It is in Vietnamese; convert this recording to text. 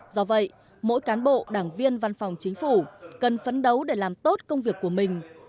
do vậy mỗi cán bộ đảng viên văn phòng chính phủ cần phấn đấu để làm tốt công việc của mình